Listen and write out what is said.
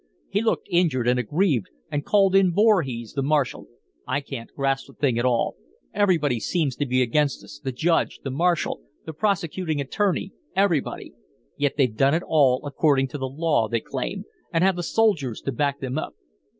"He looked injured and aggrieved and called in Voorhees, the marshal. I can't grasp the thing at all; everybody seems to be against us, the Judge, the marshal, the prosecuting attorney everybody. Yet they've done it all according to law, they claim, and have the soldiers to back them up."